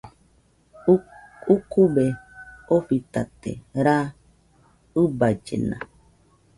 Ukube ofitate raa ɨballena